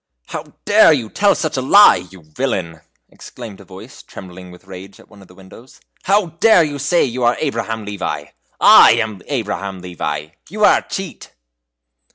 "How dare you tell such a lie, you villain?" exclaimed a voice, trembling with rage, at one of the windows; "how dare you say you are Abraham Levi? I am Abraham Levi! You are a cheat!"